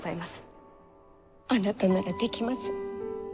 あなたならできます。